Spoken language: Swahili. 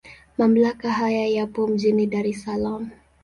Mamlaka haya yapo mjini Dar es Salaam.